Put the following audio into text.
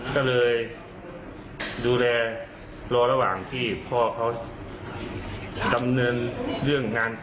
จะเลยดูแล